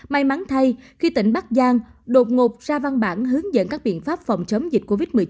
may mắn thay khi tỉnh bắc giang đột ngột ra văn bản hướng dẫn các biện pháp phòng chống dịch covid một mươi chín